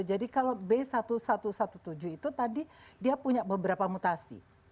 jadi kalau b satu satu satu tujuh itu tadi dia punya beberapa mutasi